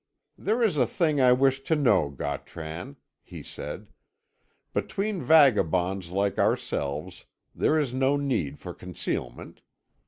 "There is a thing I wish to know, Gautran," he said. "Between vagabonds like ourselves there is no need for concealment.